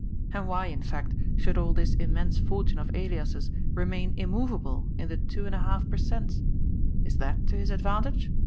And why, in fact, should all this immense fortune of Elias's remain immovable in the two and a half per cents? Is that to his advantage